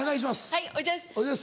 はいおじゃす。